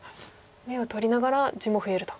眼を取りながら地も増えると。